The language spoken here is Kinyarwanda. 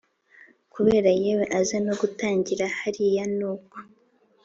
kubera yewe aza no gutangira bahari nuko